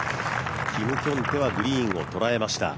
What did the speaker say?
キム・キョンテはグリーンを捉えました。